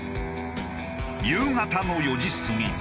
夕方の４時過ぎ。